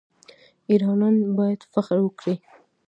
ایرانیان باید فخر وکړي.